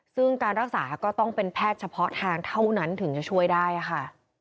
ซึ่งการรักษาก็ต้องเป็นแพทย์เฉพาะทางเท่านั้นถึงจะช่วยได้ค่ะ